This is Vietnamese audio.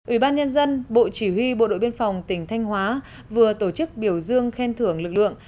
ủy ban nhân dân bộ chỉ huy bộ đội biên phòng tỉnh thanh hóa vừa tổ chức biểu dương khen thưởng lực lượng